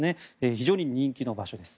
非常に人気の場所です。